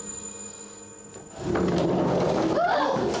あっ！